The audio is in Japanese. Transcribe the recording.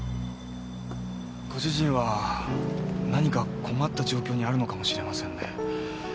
ご主人は何か困った状況にあるのかもしれませんね。